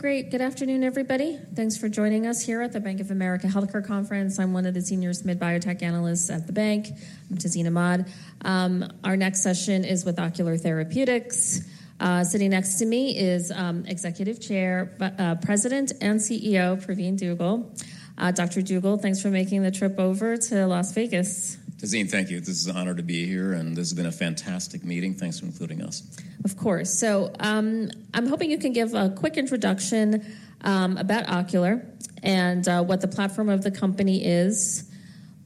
Great. Good afternoon, everybody. Thanks for joining us here at the Bank of America Healthcare Conference. I'm one of the senior mid-biotech analysts at the bank. I'm Tazeen Ahmad. Our next session is with Ocular Therapeutix. Sitting next to me is Executive Chairman, but President and CEO, Pravin U. Dugel. Dr. Dugel, thanks for making the trip over to Las Vegas. Tazeen, thank you. This is an honor to be here, and this has been a fantastic meeting. Thanks for including us. Of course. So, I'm hoping you can give a quick introduction about Ocular and what the platform of the company is.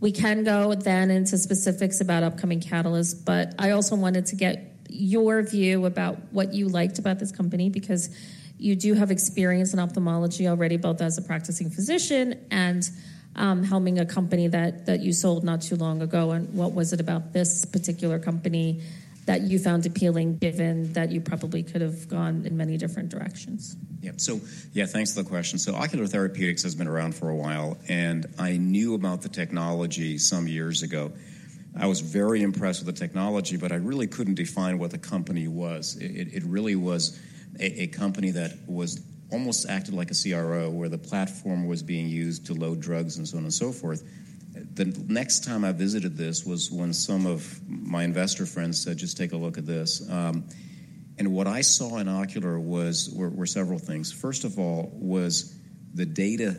We can go then into specifics about upcoming catalysts, but I also wanted to get your view about what you liked about this company, because you do have experience in ophthalmology already, both as a practicing physician and helming a company that you sold not too long ago. And what was it about this particular company that you found appealing, given that you probably could have gone in many different directions? Yeah. So yeah, thanks for the question. So Ocular Therapeutix has been around for a while, and I knew about the technology some years ago. I was very impressed with the technology, but I really couldn't define what the company was. It really was a company that almost acted like a CRO, where the platform was being used to load drugs and so on and so forth. The next time I visited this was when some of my investor friends said, "Just take a look at this." And what I saw in Ocular was several things. First of all, was the data.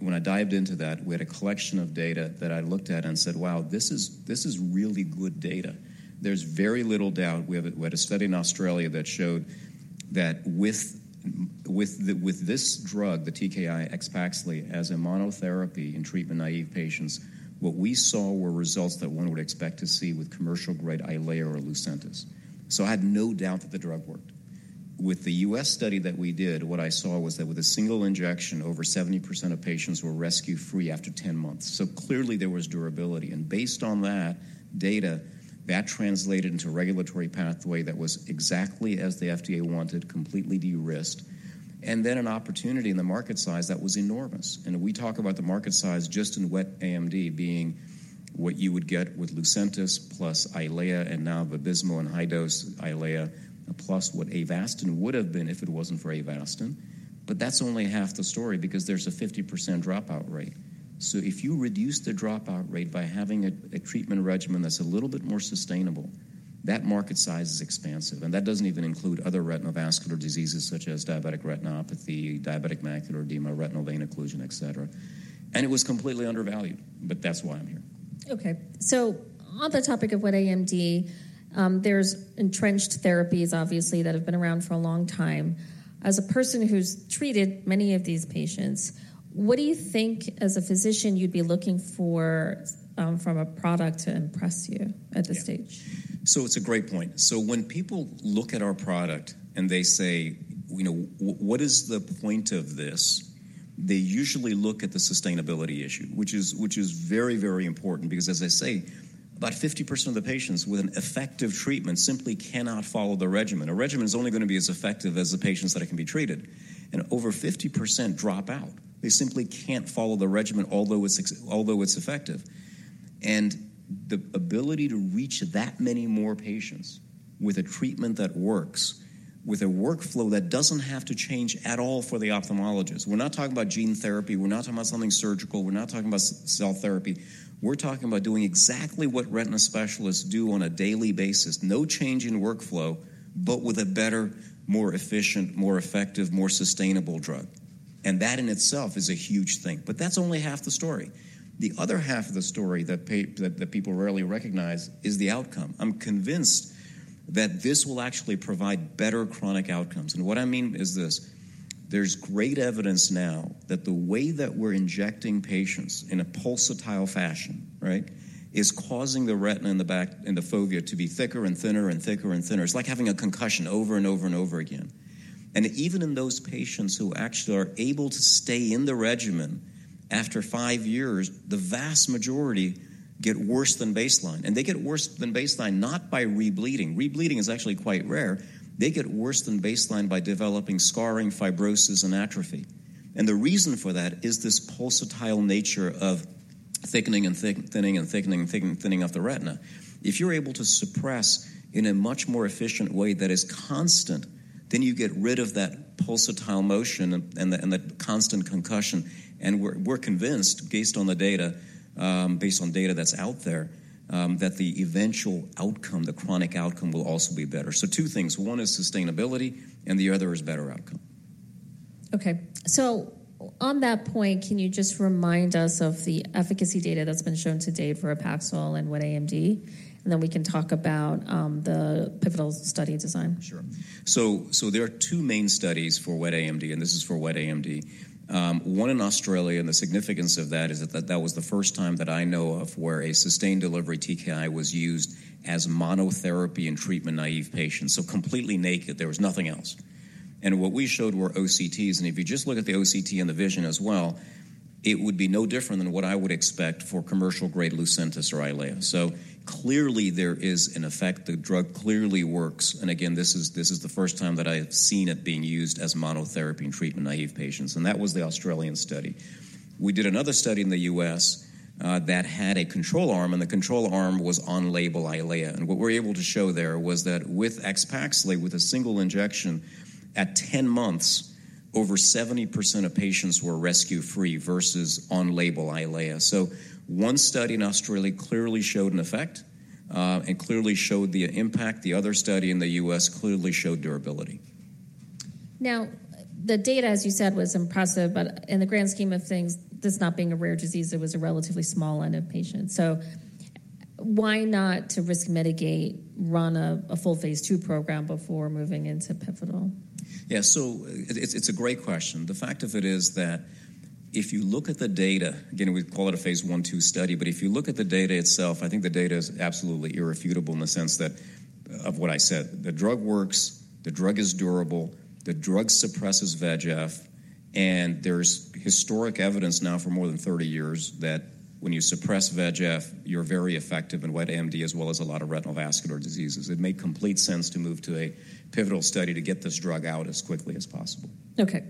When I dived into that, we had a collection of data that I looked at and said: Wow, this is really good data. There's very little doubt. We had a study in Australia that showed that with this drug, the TKI, AXPAXLI, as a monotherapy in treatment-naive patients, what we saw were results that one would expect to see with commercial-grade EYLEA or Lucentis. So I had no doubt that the drug worked. With the US study that we did, what I saw was that with a single injection, over 70% of patients were rescue-free after 10 months. So clearly there was durability, and based on that data, that translated into a regulatory pathway that was exactly as the FDA wanted, completely de-risked, and then an opportunity in the market size that was enormous. We talk about the market size just in wet AMD being what you would get with Lucentis plus EYLEA, and now Vabysmo and high-dose EYLEA, plus what Avastin would have been if it wasn't for Avastin. But that's only half the story because there's a 50% dropout rate. If you reduce the dropout rate by having a treatment regimen that's a little bit more sustainable, that market size is expansive, and that doesn't even include other retinal vascular diseases such as diabetic retinopathy, diabetic macular edema, retinal vein occlusion, et cetera. And it was completely undervalued, but that's why I'm here. Okay. So on the topic of wet AMD, there's entrenched therapies, obviously, that have been around for a long time. As a person who's treated many of these patients, what do you think, as a physician, you'd be looking for, from a product to impress you at this stage? So it's a great point. So when people look at our product and they say, "You know, what is the point of this?" They usually look at the sustainability issue, which is, which is very, very important, because, as I say, about 50% of the patients with an effective treatment simply cannot follow the regimen. A regimen is only going to be as effective as the patients that it can be treated, and over 50% drop out. They simply can't follow the regimen, although it's effective. The ability to reach that many more patients with a treatment that works, with a workflow that doesn't have to change at all for the ophthalmologist. We're not talking about gene therapy. We're not talking about something surgical. We're not talking about cell therapy. We're talking about doing exactly what retina specialists do on a daily basis. No change in workflow, but with a better, more efficient, more effective, more sustainable drug. And that in itself is a huge thing. But that's only half the story. The other half of the story that people rarely recognize is the outcome. I'm convinced that this will actually provide better chronic outcomes. And what I mean is this: there's great evidence now that the way that we're injecting patients in a pulsatile fashion, right? Is causing the retina in the back, in the fovea, to be thicker and thinner and thicker and thinner. It's like having a concussion over and over and over again. And even in those patients who actually are able to stay in the regimen, after five years, the vast majority get worse than baseline, and they get worse than baseline, not by rebleeding. Rebleeding is actually quite rare. They get worse than baseline by developing scarring, fibrosis, and atrophy. The reason for that is this pulsatile nature of thickening and thick, thinning and thickening and thick, thinning of the retina. If you're able to suppress in a much more efficient way that is constant, then you get rid of that pulsatile motion and the constant concussion. And we're convinced, based on the data, based on data that's out there, that the eventual outcome, the chronic outcome, will also be better. So two things: one is sustainability, and the other is better outcome. Okay. So on that point, can you just remind us of the efficacy data that's been shown to date for AXPAXLI and wet AMD? And then we can talk about the pivotal study design. Sure. So, so there are two main studies for wet AMD, and this is for wet AMD. One in Australia, and the significance of that is that that was the first time that I know of where a sustained delivery TKI was used as monotherapy in treatment-naive patients. So completely naked, there was nothing else. And what we showed were OCTs, and if you just look at the OCT and the vision as well, it would be no different than what I would expect for commercial-grade Lucentis or EYLEA. So clearly, there is an effect. The drug clearly works, and again, this is, this is the first time that I have seen it being used as monotherapy in treatment-naive patients, and that was the Australian study. We did another study in the U.S. that had a control arm, and the control arm was on-label EYLEA. What we're able to show there was that with AXPAXLI, with a single injection, at 10 months, over 70% of patients were rescue-free versus on-label EYLEA. So one study in Australia clearly showed an effect, and clearly showed the impact. The other study in the U.S. clearly showed durability. Now, the data, as you said, was impressive, but in the grand scheme of things, this not being a rare disease, it was a relatively small n of patients. So why not to risk mitigate, run a full phase II program before moving into pivotal? Yeah, so it's a great question. The fact of it is that if you look at the data, again, we call it a phase I/II study, but if you look at the data itself, I think the data is absolutely irrefutable in the sense that, of what I said. The drug works, the drug is durable, the drug suppresses VEGF, and there's historic evidence now for more than 30 years, that when you suppress VEGF, you're very effective in wet AMD, as well as a lot of retinal vascular diseases. It made complete sense to move to a pivotal study to get this drug out as quickly as possible. Okay.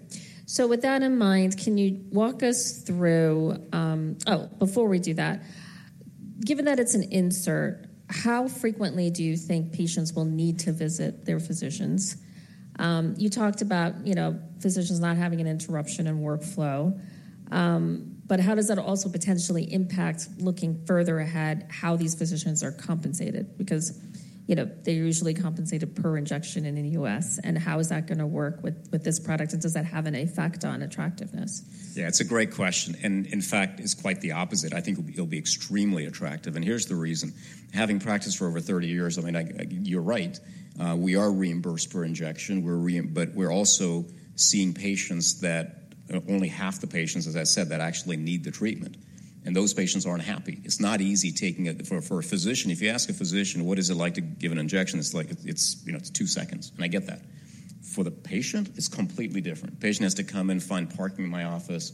So with that in mind, can you walk us through... Oh, before we do that, given that it's an insert, how frequently do you think patients will need to visit their physicians? You talked about, you know, physicians not having an interruption in workflow, but how does that also potentially impact, looking further ahead, how these physicians are compensated? Because, you know, they're usually compensated per injection in the US, and how is that gonna work with this product, and does that have an effect on attractiveness? Yeah, it's a great question, and in fact, it's quite the opposite. I think it'll be extremely attractive, and here's the reason. Having practiced for over 30 years, I mean, you're right. We are reimbursed per injection. We're but we're also seeing patients that only half the patients, as I said, that actually need the treatment, and those patients aren't happy. It's not easy taking it for a physician. If you ask a physician, what is it like to give an injection? It's like, you know, it's 2 seconds, and I get that. For the patient, it's completely different. Patient has to come in, find parking in my office,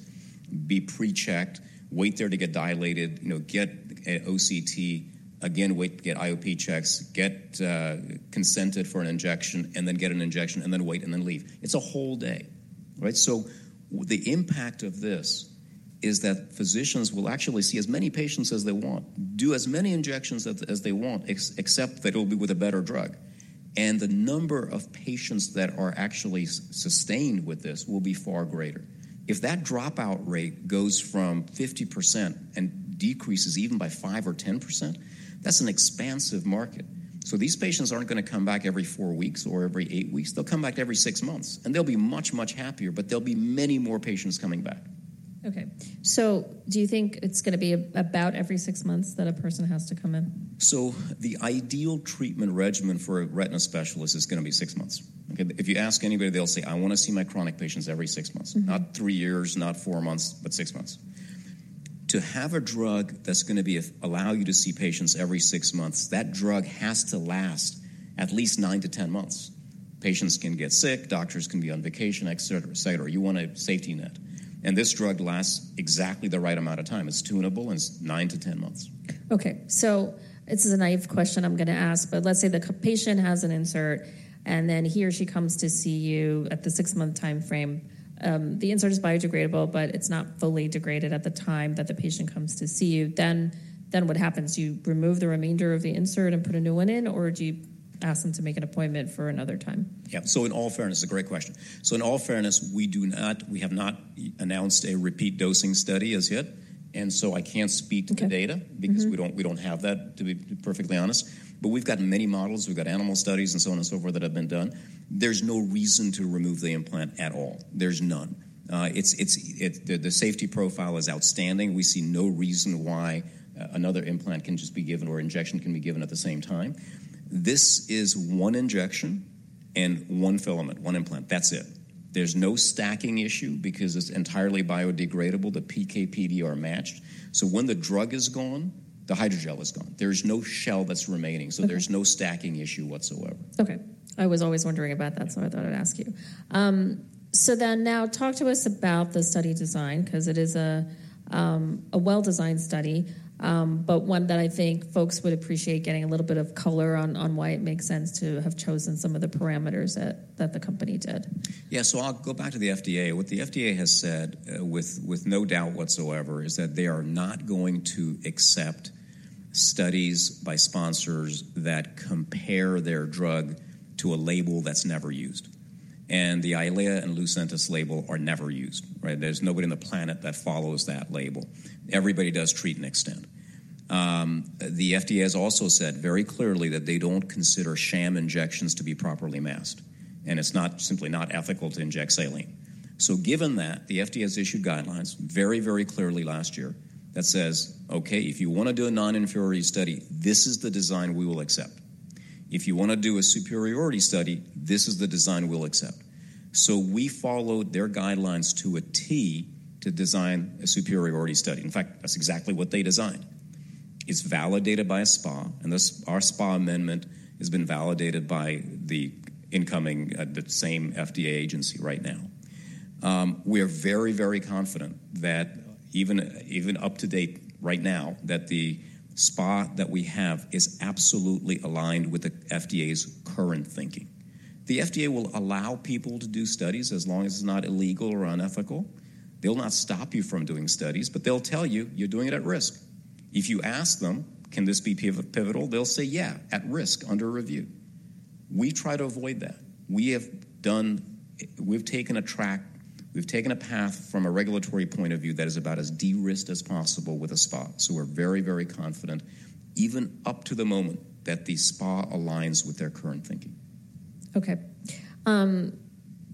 be pre-checked, wait there to get dilated, you know, get an OCT, again, wait to get IOP checks, get consented for an injection, and then get an injection, and then wait, and then leave. It's a whole day, right? The impact of this is that physicians will actually see as many patients as they want, do as many injections as they want, except that it'll be with a better drug, and the number of patients that are actually sustained with this will be far greater. If that dropout rate goes from 50% and decreases even by 5% or 10%, that's an expansive market. So these patients aren't gonna come back every four weeks or every eight weeks. They'll come back every six months, and they'll be much, much happier, but there'll be many more patients coming back. Okay. So do you think it's gonna be about every six months that a person has to come in? The ideal treatment regimen for a retina specialist is gonna be six months, okay? If you ask anybody, they'll say, "I wanna see my chronic patients every six months. Mm-hmm. Not three years, not four months, but six months." To have a drug that's gonna allow you to see patients every six months, that drug has to last at least nine to 10 months. Patients can get sick, doctors can be on vacation, et cetera, et cetera. You want a safety net, and this drug lasts exactly the right amount of time. It's tunable, and it's nine to 10 months. Okay, so this is a naive question I'm gonna ask, but let's say the patient has an insert, and then he or she comes to see you at the six month timeframe. The insert is biodegradable, but it's not fully degraded at the time that the patient comes to see you. Then what happens? You remove the remainder of the insert and put a new one in, or do you ask them to make an appointment for another time? Yeah. So in all fairness, it's a great question. So in all fairness, we do not--we have not announced a repeat dosing study as yet, and so I can't speak to- Okay... the data- Mm-hmm. Because we don't, we don't have that, to be perfectly honest. But we've got many models. We've got animal studies and so on and so forth that have been done. There's no reason to remove the implant at all. There's none. It's the safety profile is outstanding. We see no reason why another implant can just be given or injection can be given at the same time. This is one injection and one filament, one implant. That's it. There's no stacking issue because it's entirely biodegradable. The PK/PD are matched, so when the drug is gone, the hydrogel is gone. There's no shell that's remaining. Okay. There's no stacking issue whatsoever. Okay. I was always wondering about that, so I thought I'd ask you. So then now talk to us about the study design, 'cause it is a, a well-designed study, but one that I think folks would appreciate getting a little bit of color on, on why it makes sense to have chosen some of the parameters that, that the company did. Yeah. So I'll go back to the FDA. What the FDA has said, with no doubt whatsoever, is that they are not going to accept studies by sponsors that compare their drug to a label that's never used, and the EYLEA and Lucentis labels are never used, right? There's nobody on the planet that follows that label. Everybody does Treat and Extend. The FDA has also said very clearly that they don't consider sham injections to be properly masked, and it's simply not ethical to inject saline. So given that, the FDA has issued guidelines very clearly last year that says, "Okay, if you wanna do a non-inferiority study, this is the design we will accept. If you wanna do a superiority study, this is the design we'll accept." So we followed their guidelines to a T to design a superiority study. In fact, that's exactly what they designed. It's validated by a SPA, and our SPA amendment has been validated by the incoming, the same FDA agency right now. We are very, very confident that even up to date right now, that the SPA that we have is absolutely aligned with the FDA's current thinking. The FDA will allow people to do studies as long as it's not illegal or unethical. They'll not stop you from doing studies, but they'll tell you, "You're doing it at risk." If you ask them, "Can this be pivotal?" They'll say, "Yeah, at risk, under review." We try to avoid that. We've taken a track, we've taken a path from a regulatory point of view that is about as de-risked as possible with a SPA, so we're very, very confident, even up to the moment, that the SPA aligns with their current thinking. Okay.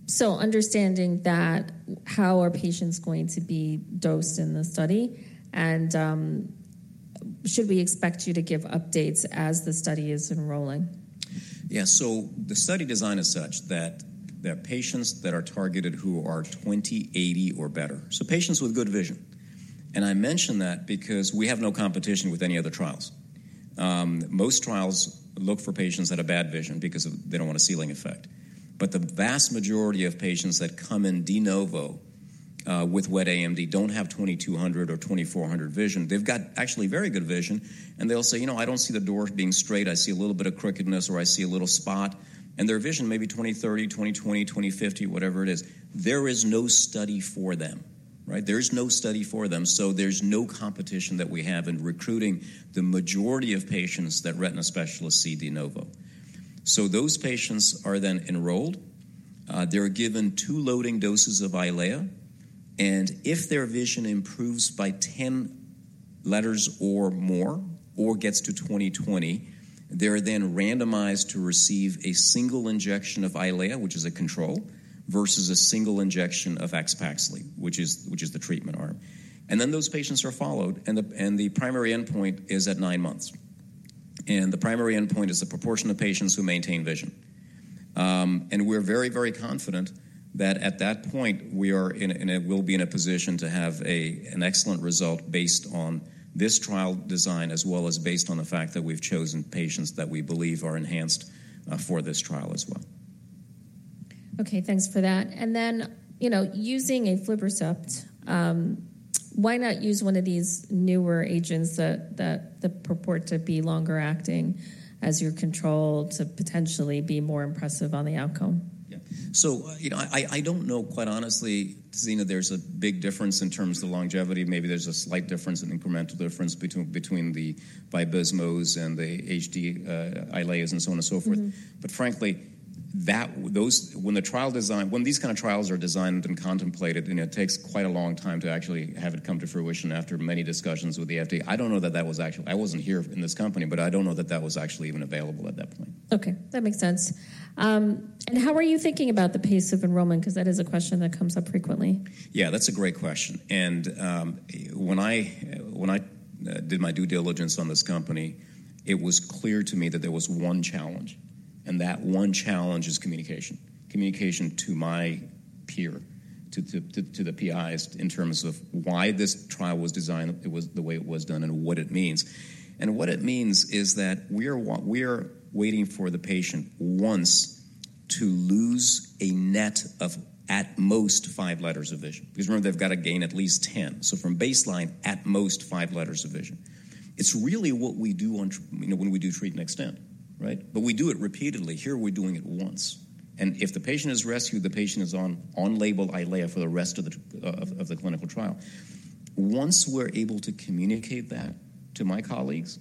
So understanding that, how are patients going to be dosed in the study? And, should we expect you to give updates as the study is enrolling? Yeah. So the study design is such that patients that are targeted who are 20/80 or better, so patients with good vision. And I mention that because we have no competition with any other trials. Most trials look for patients that have bad vision because of—they don't want a ceiling effect. But the vast majority of patients that come in de novo with wet AMD don't have 20/200 or 20/400 vision. They've got actually very good vision, and they'll say, "You know, I don't see the door being straight. I see a little bit of crookedness, or I see a little spot," and their vision may be 20/30, 20/20, 20/50, whatever it is. There is no study for them, right? There's no study for them, so there's no competition that we have in recruiting the majority of patients that retina specialists see de novo. So those patients are then enrolled. They're given two loading doses of EYLEA, and if their vision improves by 10 letters or more or gets to 20/20, they're then randomized to receive a single injection of EYLEA, which is a control, versus a single injection of AXPAXLI, which is the treatment arm. And then those patients are followed, and the primary endpoint is at 9 months. And the primary endpoint is the proportion of patients who maintain vision. And we're very, very confident that at that point, we will be in a position to have an excellent result based on this trial design, as well as based on the fact that we've chosen patients that we believe are enhanced for this trial as well. Okay, thanks for that. And then, you know, using aflibercept, why not use one of these newer agents that purport to be longer acting as your control to potentially be more impressive on the outcome? Yeah. So, you know, I don't know, quite honestly, Tazeen, there's a big difference in terms of the longevity. Maybe there's a slight difference, an incremental difference between the Vabysmos and the HD EYLEAs and so on and so forth. Mm-hmm. But frankly, when these kind of trials are designed and contemplated, and it takes quite a long time to actually have it come to fruition after many discussions with the FDA. I don't know that that was actually... I wasn't here in this company, but I don't know that that was actually even available at that point. Okay, that makes sense. How are you thinking about the pace of enrollment? Because that is a question that comes up frequently. Yeah, that's a great question. And when I did my due diligence on this company, it was clear to me that there was one challenge, and that one challenge is communication. Communication to my peer, to the PIs, in terms of why this trial was designed, it was the way it was done, and what it means. And what it means is that we're waiting for the patient once to lose a net of at most five letters of vision, because, remember, they've got to gain at least 10. So from baseline, at most five letters of vision. It's really what we do on, you know, when we do Treat and Extend, right? But we do it repeatedly. Here, we're doing it once, and if the patient is rescued, the patient is on-label EYLEA for the rest of the clinical trial. Once we're able to communicate that to my colleagues,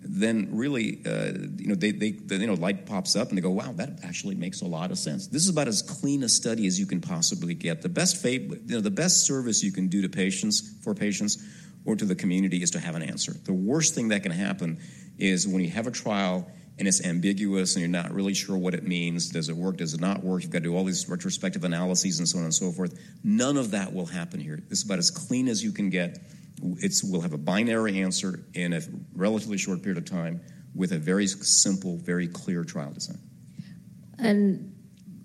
then really, you know, they you know light pops up, and they go, "Wow, that actually makes a lot of sense." This is about as clean a study as you can possibly get. The best you know, the best service you can do to patients, for patients or to the community is to have an answer. The worst thing that can happen is when you have a trial, and it's ambiguous, and you're not really sure what it means. Does it work? Does it not work? You've got to do all these retrospective analyses and so on and so forth. None of that will happen here. This is about as clean as you can get. We'll have a binary answer in a relatively short period of time with a very simple, very clear trial design.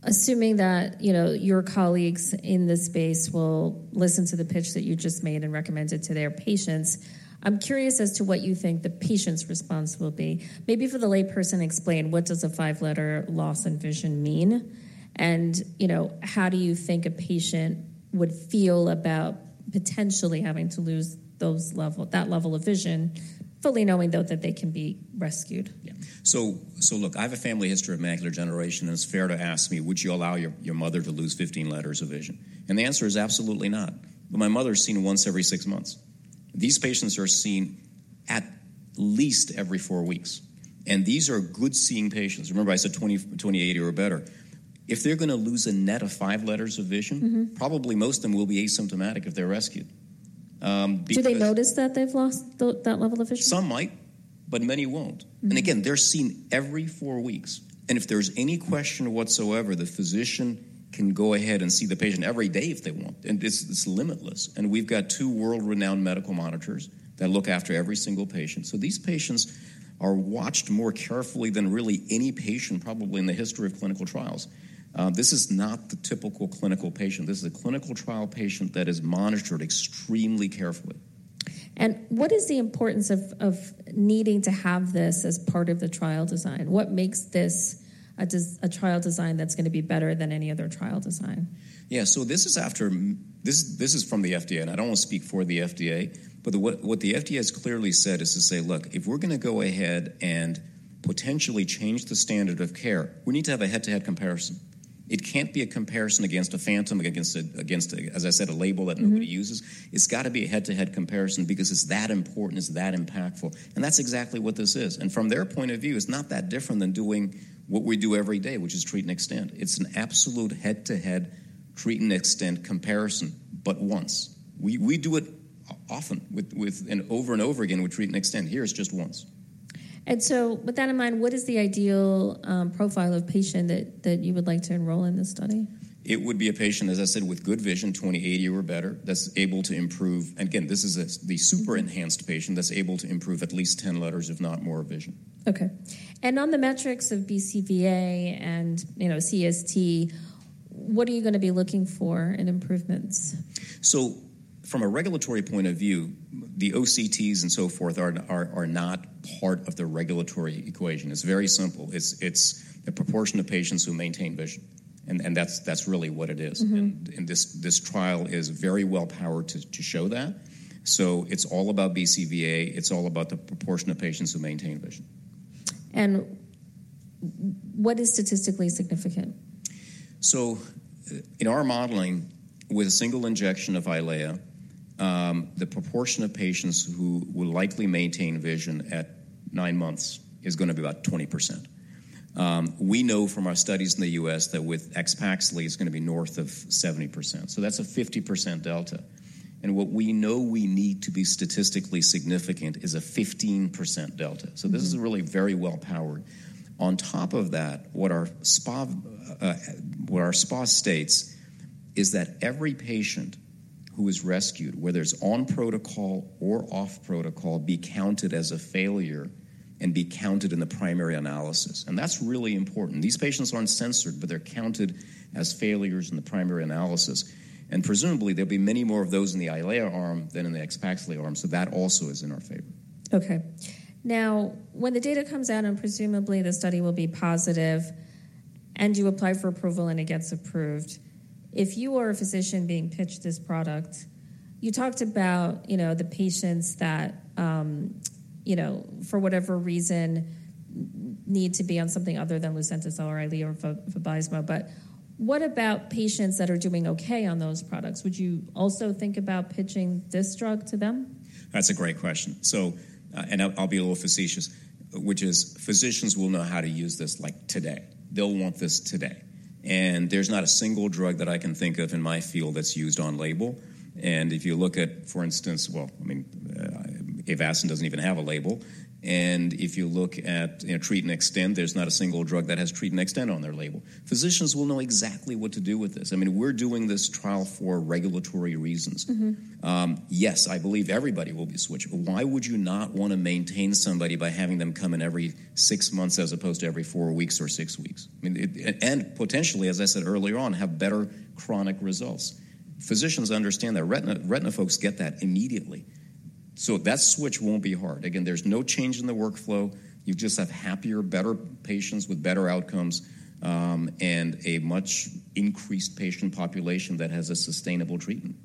Assuming that, you know, your colleagues in this space will listen to the pitch that you just made and recommend it to their patients, I'm curious as to what you think the patient's response will be. Maybe for the layperson, explain what does a five-letter loss in vision mean, and, you know, how do you think a patient would feel about potentially having to lose those level, that level of vision, fully knowing, though, that they can be rescued? Yeah. So, look, I have a family history of macular degeneration, and it's fair to ask me: would you allow your, your mother to lose 15 letters of vision? And the answer is absolutely not, but my mother's seen once every six months. These patients are seen at least every four weeks, and these are good seeing patients. Remember I said 20/20 or better. If they're gonna lose a net of five letters of vision- Mm-hmm. probably most of them will be asymptomatic if they're rescued. Because- Do they notice that they've lost that level of vision? Some might, but many won't. Mm-hmm. Again, they're seen every four weeks, and if there's any question whatsoever, the physician can go ahead and see the patient every day if they want, and it's limitless. We've got two world-renowned medical monitors that look after every single patient. These patients are watched more carefully than really any patient, probably in the history of clinical trials. This is not the typical clinical patient. This is a clinical trial patient that is monitored extremely carefully. What is the importance of needing to have this as part of the trial design? What makes this a trial design that's gonna be better than any other trial design? Yeah. So this is after... This, this is from the FDA, and I don't want to speak for the FDA, but what the FDA has clearly said is to say, "Look, if we're gonna go ahead and potentially change the standard of care, we need to have a head-to-head comparison."... It can't be a comparison against a phantom, against a, against a, as I said, a label that- Mm-hmm Nobody uses it. It's got to be a head-to-head comparison because it's that important, it's that impactful, and that's exactly what this is. From their point of view, it's not that different than doing what we do every day, which is Treat and Extend. It's an absolute head-to-head Treat and Extend comparison, but once. We do it often with and over and over again with Treat and Extend. Here, it's just once. So with that in mind, what is the ideal profile of patient that you would like to enroll in this study? It would be a patient, as I said, with good vision, 28/80 or better, that's able to improve... And again, this is a, the super-enhanced- Mm-hmm - patient that's able to improve at least 10 letters, if not more, vision. Okay. And on the metrics of BCVA and, you know, CST, what are you gonna be looking for in improvements? So from a regulatory point of view, the OCTs and so forth are not part of the regulatory equation. It's very simple. It's the proportion of patients who maintain vision, and that's really what it is. Mm-hmm. And this trial is very well-powered to show that. So it's all about BCVA. It's all about the proportion of patients who maintain vision. What is statistically significant? In our modeling, with a single injection of EYLEA, the proportion of patients who will likely maintain vision at nine months is gonna be about 20%. We know from our studies in the U.S. that with AXPAXLI, it's gonna be north of 70%, so that's a 50% delta. What we know we need to be statistically significant is a 15% delta. Mm-hmm. So this is really very well-powered. On top of that, what our SPA states is that every patient who is rescued, whether it's on protocol or off protocol, be counted as a failure and be counted in the primary analysis, and that's really important. These patients aren't censored, but they're counted as failures in the primary analysis, and presumably, there'll be many more of those in the EYLEA arm than in the AXPAXLI arm, so that also is in our favor. Okay. Now, when the data comes out, and presumably the study will be positive, and you apply for approval, and it gets approved, if you are a physician being pitched this product, you talked about, you know, the patients that, you know, for whatever reason, need to be on something other than Lucentis or EYLEA or Vabysmo, but what about patients that are doing okay on those products? Would you also think about pitching this drug to them? That's a great question. So, and I'll be a little facetious, which is, physicians will know how to use this, like, today. They'll want this today. And there's not a single drug that I can think of in my field that's used on label. And if you look at, for instance, well, I mean, Avastin doesn't even have a label. And if you look at, you know, treat and extend, there's not a single drug that has treat and extend on their label. Physicians will know exactly what to do with this. I mean, we're doing this trial for regulatory reasons. Mm-hmm. Yes, I believe everybody will be switching. Why would you not want to maintain somebody by having them come in every six months as opposed to every four weeks or six weeks? I mean, it and potentially, as I said earlier on, have better chronic results. Physicians understand that. Retina folks get that immediately, so that switch won't be hard. Again, there's no change in the workflow. You just have happier, better patients with better outcomes, and a much increased patient population that has a sustainable treatment.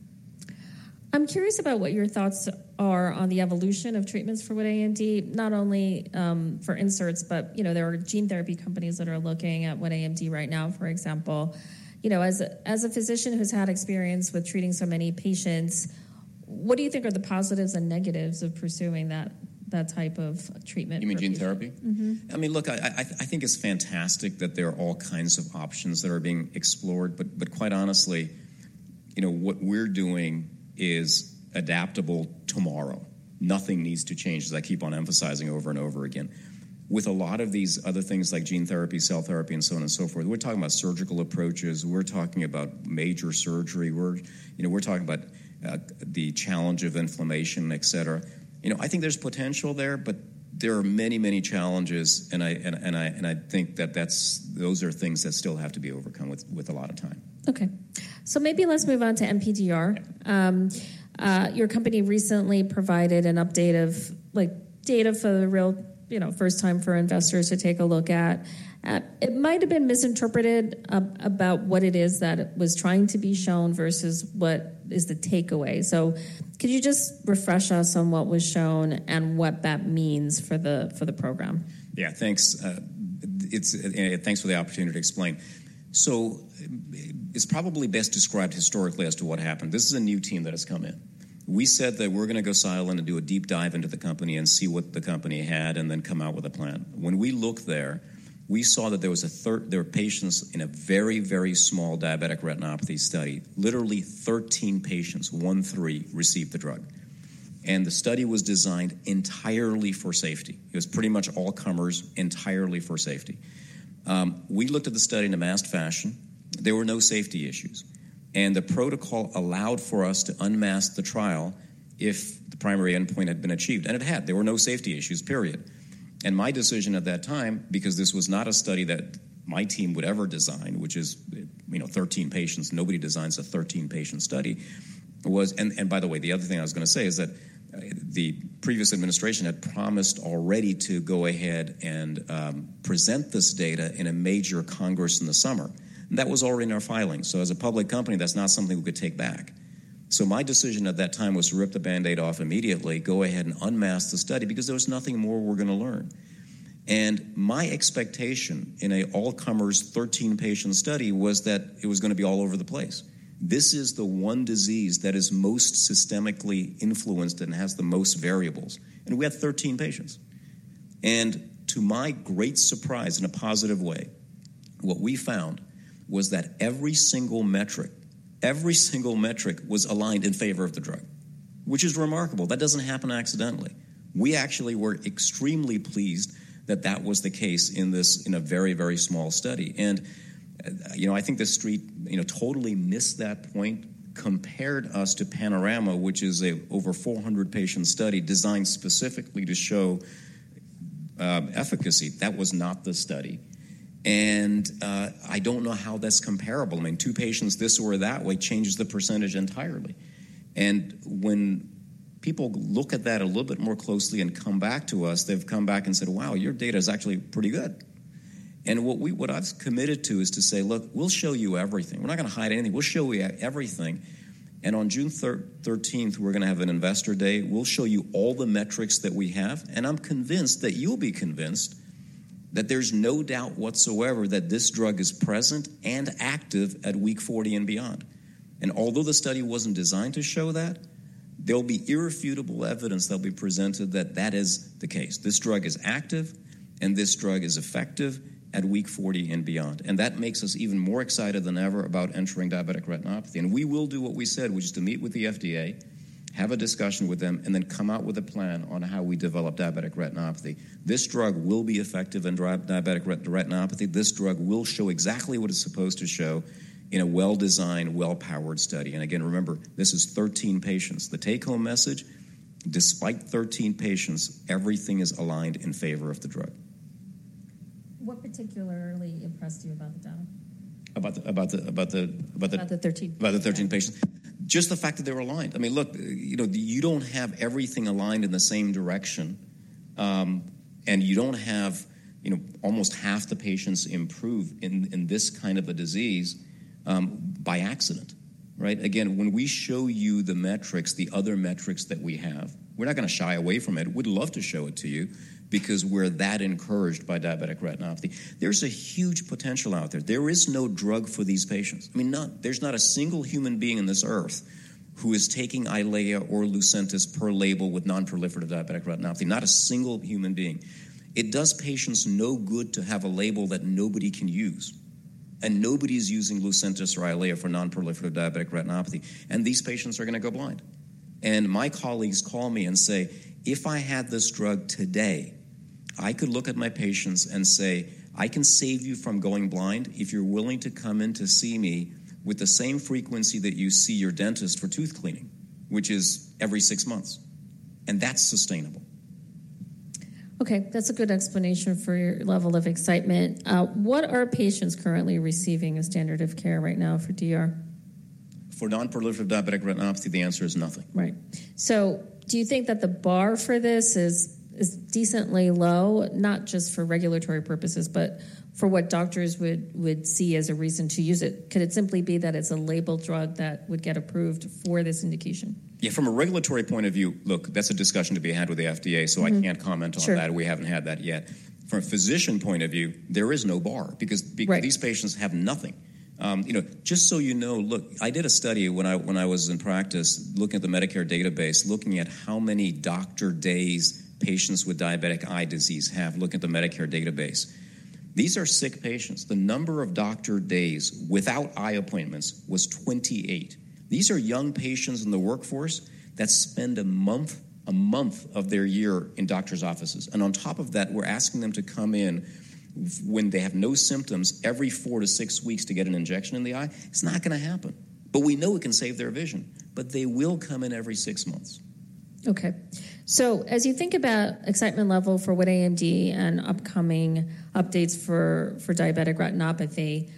I'm curious about what your thoughts are on the evolution of treatments for wet AMD, not only for inserts, but, you know, there are gene therapy companies that are looking at wet AMD right now, for example. You know, as a physician who's had experience with treating so many patients, what do you think are the positives and negatives of pursuing that type of treatment? You mean gene therapy? Mm-hmm. I mean, look, I think it's fantastic that there are all kinds of options that are being explored, but quite honestly, you know, what we're doing is adaptable tomorrow. Nothing needs to change, as I keep on emphasizing over and over again. With a lot of these other things like gene therapy, cell therapy, and so on and so forth, we're talking about surgical approaches. We're talking about major surgery. We're, you know, talking about the challenge of inflammation, et cetera. You know, I think there's potential there, but there are many, many challenges, and I think that that's those are things that still have to be overcome with a lot of time. Okay. So maybe let's move on to NPDR. Yeah. Your company recently provided an update of, like, data for the real, you know, first time for investors to take a look at. It might have been misinterpreted about what it is that it was trying to be shown versus what is the takeaway. So could you just refresh us on what was shown and what that means for the, for the program? Yeah, thanks. And thanks for the opportunity to explain. So it's probably best described historically as to what happened. This is a new team that has come in. We said that we're gonna go silent and do a deep dive into the company and see what the company had and then come out with a plan. When we looked there, we saw that there were patients in a very, very small diabetic retinopathy study. Literally, 13 patients received the drug, and the study was designed entirely for safety. It was pretty much all comers, entirely for safety. We looked at the study in a masked fashion. There were no safety issues, and the protocol allowed for us to unmask the trial if the primary endpoint had been achieved, and it had. There were no safety issues, period. And my decision at that time, because this was not a study that my team would ever design, which is, you know, 13 patients, nobody designs a 13-patient study, was... And by the way, the other thing I was gonna say is that, the previous administration had promised already to go ahead and present this data in a major congress in the summer, and that was already in our filings. So as a public company, that's not something we could take back.... So my decision at that time was to rip the Band-Aid off immediately, go ahead and unmask the study, because there was nothing more we're going to learn. And my expectation in a all-comers, 13-patient study was that it was going to be all over the place. This is the one disease that is most systemically influenced and has the most variables, and we had 13 patients. And to my great surprise, in a positive way, what we found was that every single metric, every single metric was aligned in favor of the drug, which is remarkable. That doesn't happen accidentally. We actually were extremely pleased that that was the case in this, in a very, very small study. And, you know, I think the Street, you know, totally missed that point, compared us to Panorama, which is an over 400-patient study designed specifically to show, efficacy. That was not the study, and, I don't know how that's comparable. I mean, two patients this or that way changes the percentage entirely. And when people look at that a little bit more closely and come back to us, they've come back and said, "Wow, your data is actually pretty good." And what I've committed to is to say, "Look, we'll show you everything. We're not going to hide anything. We'll show you everything." And on June 13th, we're going to have an investor day. We'll show you all the metrics that we have, and I'm convinced that you'll be convinced that there's no doubt whatsoever that this drug is present and active at week 40 and beyond. And although the study wasn't designed to show that, there'll be irrefutable evidence that'll be presented that that is the case. This drug is active, and this drug is effective at week 40 and beyond. And that makes us even more excited than ever about entering diabetic retinopathy. And we will do what we said, which is to meet with the FDA, have a discussion with them, and then come out with a plan on how we develop diabetic retinopathy. This drug will be effective in diabetic retinopathy. This drug will show exactly what it's supposed to show in a well-designed, well-powered study. And again, remember, this is 13 patients. The take-home message: despite 13 patients, everything is aligned in favor of the drug. What particularly impressed you about the data? About the- About the 13 patients. About the 13 patients? Just the fact that they were aligned. I mean, look, you know, you don't have everything aligned in the same direction, and you don't have, you know, almost half the patients improve in this kind of a disease, by accident, right? Again, when we show you the metrics, the other metrics that we have, we're not going to shy away from it. We'd love to show it to you because we're that encouraged by diabetic retinopathy. There's a huge potential out there. There is no drug for these patients. I mean, none. There's not a single human being on this earth who is taking EYLEA or Lucentis per label with non-proliferative diabetic retinopathy, not a single human being. It does patients no good to have a label that nobody can use, and nobody is using Lucentis or EYLEA for non-proliferative diabetic retinopathy, and these patients are going to go blind. And my colleagues call me and say, "If I had this drug today, I could look at my patients and say, 'I can save you from going blind if you're willing to come in to see me with the same frequency that you see your dentist for tooth cleaning,' which is every six months," and that's sustainable. Okay, that's a good explanation for your level of excitement. What are patients currently receiving as standard of care right now for DR? For non-proliferative diabetic retinopathy, the answer is nothing. Right. So do you think that the bar for this is decently low, not just for regulatory purposes, but for what doctors would see as a reason to use it? Could it simply be that it's a labeled drug that would get approved for this indication? Yeah, from a regulatory point of view, look, that's a discussion to be had with the FDA. Mm-hmm. I can't comment on that. Sure. We haven't had that yet. From a physician point of view, there is no bar because- Right. These patients have nothing. You know, just so you know, look, I did a study when I was in practice, looking at the Medicare database, looking at how many doctor days patients with diabetic eye disease have. Look at the Medicare database. These are sick patients. The number of doctor days without eye appointments was 28. These are young patients in the workforce that spend a month, a month of their year in doctor's offices, and on top of that, we're asking them to come in when they have no symptoms, every four to six weeks, to get an injection in the eye? It's not going to happen. But we know it can save their vision, but they will come in every six months. Okay. So as you think about excitement level for wet AMD and upcoming updates for diabetic retinopathy,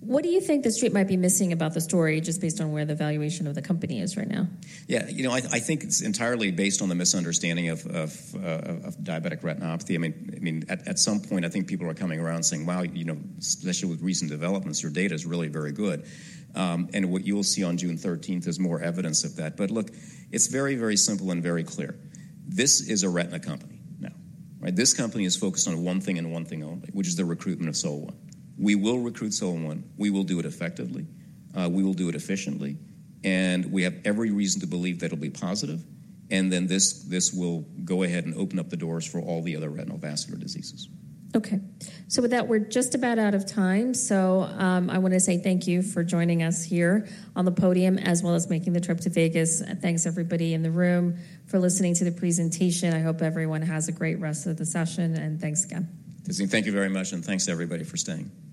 what do you think the Street might be missing about the story, just based on where the valuation of the company is right now? Yeah, you know, I think it's entirely based on the misunderstanding of diabetic retinopathy. I mean, at some point, I think people are coming around saying, "Wow, you know, especially with recent developments, your data is really very good." And what you will see on June thirteenth is more evidence of that. But look, it's very, very simple and very clear. This is a retina company now, right? This company is focused on one thing and one thing only, which is the recruitment of SOL-1. We will recruit SOL-1. We will do it effectively, we will do it efficiently, and we have every reason to believe that it'll be positive, and then this will go ahead and open up the doors for all the other retinal vascular diseases. Okay. So with that, we're just about out of time. So, I want to say thank you for joining us here on the podium, as well as making the trip to Vegas. And thanks, everybody in the room, for listening to the presentation. I hope everyone has a great rest of the session, and thanks again. Thank you very much, and thanks, everybody, for staying.